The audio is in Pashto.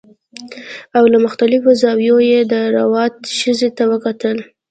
او له مختلفو زاویو یې د روات ښځې ته وکتل